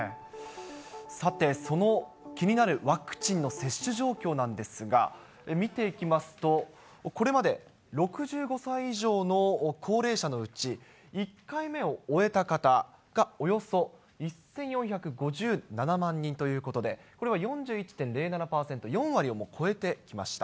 さて、その気になるワクチンの接種状況なんですが、見ていきますと、これまで６５歳以上の高齢者のうち、１回目を終えた方がおよそ１４５７万人ということで、これは４１．０７％、４割を超えてきました。